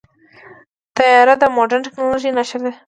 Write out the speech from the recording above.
طیاره د مدرن ټیکنالوژۍ نښه ده.